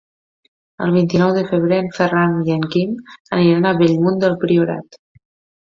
El vint-i-nou de febrer en Ferran i en Guim aniran a Bellmunt del Priorat.